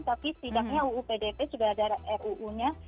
tapi setidaknya uu pdp juga ada ruu nya